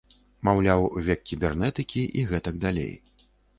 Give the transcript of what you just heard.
Маўляў, век кібернетыкі і гэтак далей.